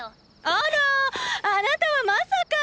あらァあなたはまさか！